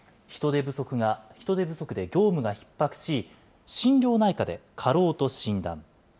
人手不足で業務がひっ迫し、心療内科で過労と診断。